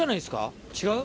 違う？